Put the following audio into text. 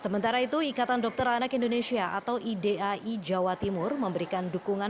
sementara itu ikatan dokter anak indonesia atau idai jawa timur memberikan dukungan